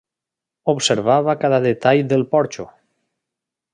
Observava cada detall del porxo.